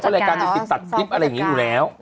รายการมีสิทธิ์ตัดคลิปอะไรอย่างนี้อยู่แล้ว